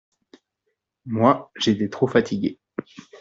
Moi, j’étais trop fatiguée.